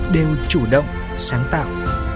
đều chủ động sáng tạo